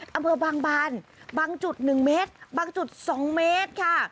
อำเภอบางบานบางจุด๑เมตรบางจุด๒เมตรค่ะ